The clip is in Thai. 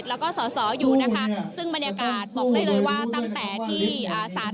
หลังจากที่สารพระทรวณอ่านคำวิทย์ชัยหยุดพักอนาคตใหม่